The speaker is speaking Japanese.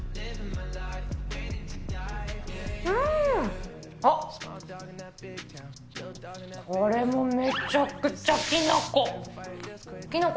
うーん！あっ、これもめちゃくちゃきな粉。